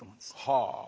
はあ。